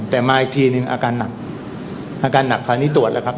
แต่มาอีกทีนึงอาการหนักอาการหนักคราวนี้ตรวจแล้วครับ